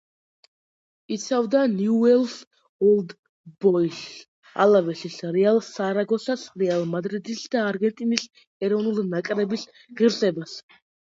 იცავდა „ნიუელს ოლდ ბოისის“, „ალავესის“, „რეალ სარაგოსას“, „რეალ მადრიდის“ და არგენტინის ეროვნული ნაკრების ღირსებას.